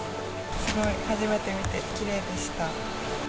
すごい、初めて見て、きれいでした。